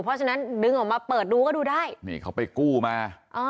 เพราะฉะนั้นดึงออกมาเปิดดูก็ดูได้นี่เขาไปกู้มา